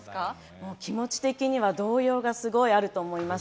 もう気持ち的には動揺がすごいあると思います。